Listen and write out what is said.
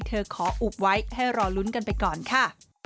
ขออุบไว้ให้รอลุ้นกันไปก่อนค่ะ